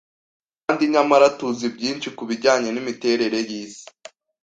kandi nyamara tuzi byinshi ku bijyanye n'imiterere y'isi